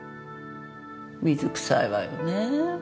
水くさいわよね。